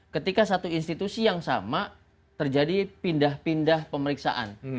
ketika satu institusi yang sama terjadi pindah pindah pemeriksaan